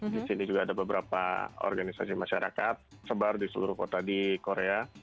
di sini juga ada beberapa organisasi masyarakat sebar di seluruh kota di korea